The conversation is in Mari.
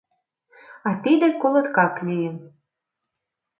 А тиде колоткак лийын.